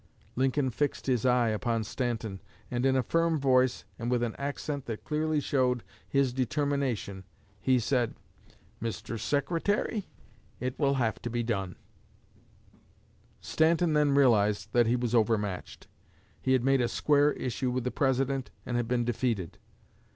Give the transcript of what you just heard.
Lincoln fixed his eye upon Stanton, and in a firm voice and with an accent that clearly showed his determination, he said, 'Mr. Secretary, it will have to be done.' Stanton then realized that he was overmatched. He had made a square issue with the President, and had been defeated.